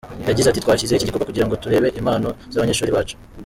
Yagize ati “Twashyizeho iki gikorwa kugira ngo turebe impano z’abanyeshuri bacu.